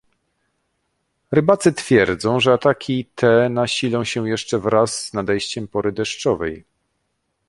Rybacy twierdzą, że ataki te nasilą się jeszcze wraz z nadejściem pory deszczowej